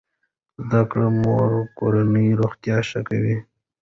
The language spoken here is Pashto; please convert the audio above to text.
زده کړې مور کورنۍ روغتیا ښه کوي.